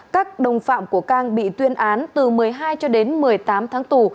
các đồng phạm của cang bị tuyên án từ một mươi hai cho đến một mươi tám tháng tù